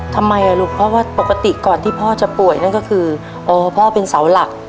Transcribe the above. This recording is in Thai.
ทำไมอ่ะลูกเพราะว่าปกติก่อนที่พ่อจะป่วยนั่นก็คืออ๋อพ่อเป็นเสาหลัก